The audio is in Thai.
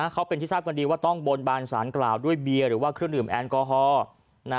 เขาเป็นที่ทราบกันดีว่าต้องบนบานสารกล่าวด้วยเบียร์หรือว่าเครื่องดื่มแอลกอฮอล์